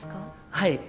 はい。